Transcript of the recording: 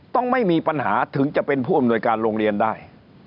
ต้องไม่มีปัญหาถึงจะเป็นผู้อำนวยการโรงเรียนได้